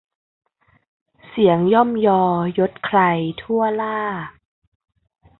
เสียงย่อมยอยศใคร ทั่วหล้า